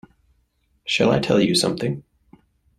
Shall I tell you something?